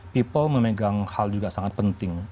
people memegang hal juga sangat penting